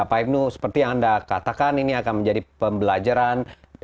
pak ibnu seperti yang anda katakan ini akan menjadi pembelajaran